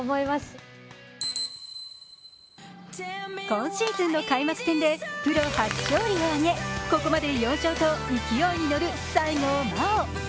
今シーズンの開幕戦でプロ初勝利を挙げここまで４勝と勢いに乗る西郷真央。